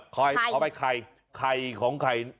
ขอยเอาไปใคร